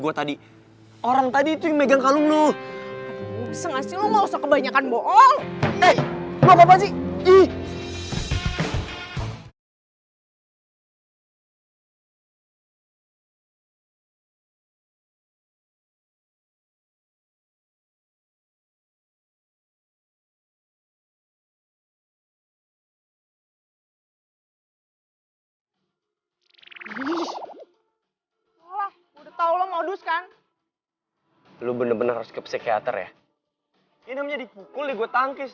udah tahu modus kan lu bener bener skip sekiater ya ini jadi pukul gue tangkis